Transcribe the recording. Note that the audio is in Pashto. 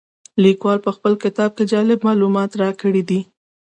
لیکوال په خپل کتاب کې جالب معلومات راکړي دي.